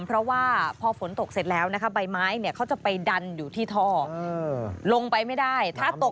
เพราะว่าพอฝนตกเสร็จแล้วนะคะใบไม้เนี่ยเขาจะไปดันอยู่ที่ท่อลงไปไม่ได้ถ้าตก